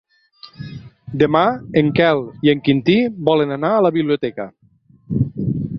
Demà en Quel i en Quintí volen anar a la biblioteca.